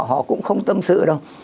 họ cũng không tâm sự đâu